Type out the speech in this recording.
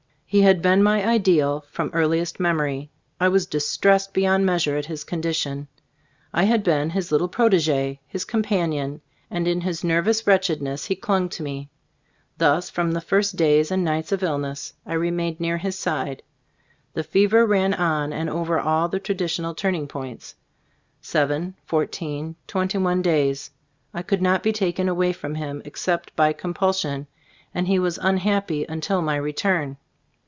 He had been my ideal from earliest memory. I was dis tressed beyond measure at his condi tion. I had been his little protegee, his companion, and in his nervous wretchedness he clung to me. Thus, from the first days and nights of ill ness, I remained near his side. The fever ran on and over all the tradi tional turning points, seven, fourteen, twenty one days. I could not be taken away from him except by compulsion, and he was unhappy until my return.